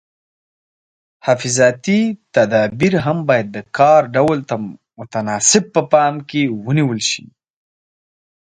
حفاظتي تدابیر هم باید د کار ډول ته متناسب په پام کې ونیول شي.